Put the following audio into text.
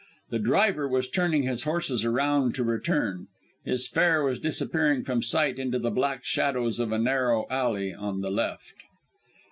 The driver was turning his horses around, to return; his fare was disappearing from sight into the black shadows of a narrow alley on the left.